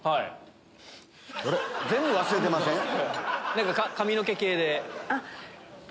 何か髪の毛系で。